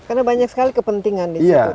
karena banyak sekali kepentingan di situ